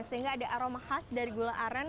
sehingga ada aroma khas dari gula aren